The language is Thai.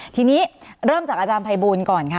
ทีนี้เริ่มจากอาจารย์ภัยบูลก่อนค่ะ